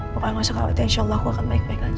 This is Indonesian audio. pokoknya masuk khawatir insya allah aku akan baik baik aja